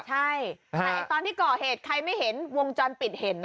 ใช่แต่ตอนที่ก่อเหตุใครไม่เห็นวงจรปิดเห็น